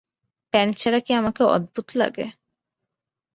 Pant ছাড়া কি আমাকে অদ্ভুত লাগে?